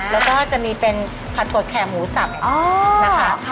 แล้วก็จะมีเป็นผัดถั่วแข่หมูสับนะคะ